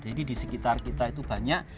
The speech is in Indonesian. jadi di sekitar kita itu banyak